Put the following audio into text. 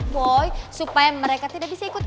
boy supaya mereka tidak bisa ikut